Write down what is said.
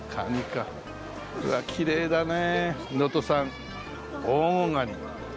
うわっきれいだねえ「能登産黄金ガニ」。